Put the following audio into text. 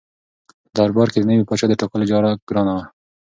په دربار کې د نوي پاچا د ټاکلو چاره ګرانه وه.